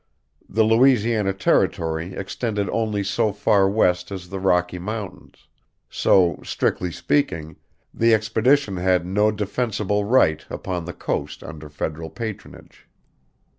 The Louisiana Territory extended only so far west as the Rocky Mountains: so, strictly speaking, the expedition had no defensible right upon the coast under Federal patronage.